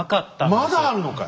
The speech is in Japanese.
まだあるのかい？